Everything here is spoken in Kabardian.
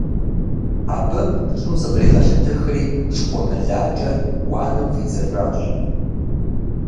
Абы шым зыкъригъэлъэтэхри шхуэмылакӀэр уанэм фӀидзэжащ.